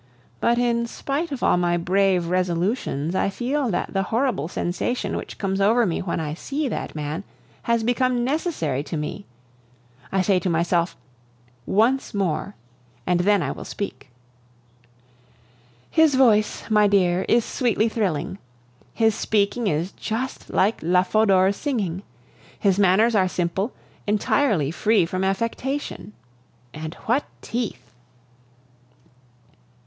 But in spite of all my brave resolutions, I feel that the horrible sensation which comes over me when I see that man has become necessary to me. I say to myself, "Once more, and then I will speak." His voice, my dear, is sweetly thrilling; his speaking is just like la Fodor's singing. His manners are simple, entirely free from affectation. And what teeth!